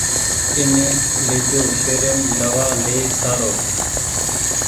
ايني ليجو شهريم دوآ لي سآرون